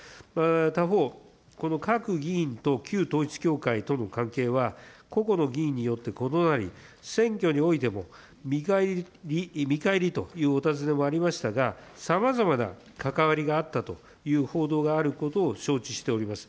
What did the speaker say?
他方、この各議員と旧統一教会との関係は、個々の議員によって異なり、選挙においても見返りというお尋ねもありますが、さまざまな関わりがあったという報道があることを承知しております。